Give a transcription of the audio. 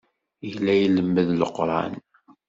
Yella ilemmed Leqran.